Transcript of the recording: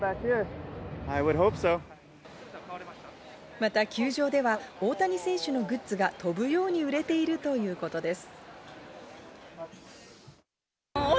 また球場では大谷選手のグッズが飛ぶように売れているということです。